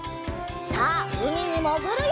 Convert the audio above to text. さあうみにもぐるよ！